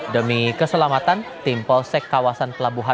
demi keselamatan tim polsek kawasan pelabuhan